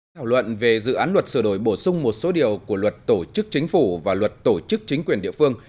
thảo luận về dự án luật sửa đổi bổ sung một số điều của luật tổ chức chính phủ và luật tổ chức chính quyền địa phương